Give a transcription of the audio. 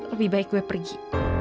lebih baik gue pergi